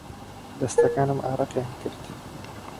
دەستەکانم ئارەقیان کرد.